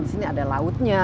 di sini ada lautnya